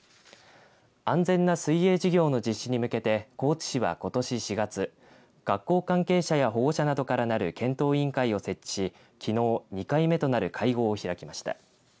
安全な水泳授業の実施に向けて高知市はことし４月学校関係者や保護者などからなる検討委員会を設置しきのう２回目となる会合を開きました。